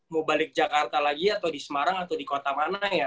mau balik jakarta lagi atau di semarang atau di kota mana ya